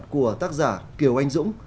của tác giả kiều anh dũng